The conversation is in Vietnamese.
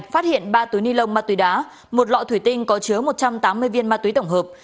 phát hiện ba túi ni lông ma túy đá một lọ thủy tinh có chứa một trăm tám mươi viên ma túy tổng hợp